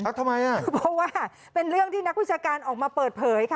เพราะว่าเป็นเรื่องที่นักวิจการออกมาเปิดเผย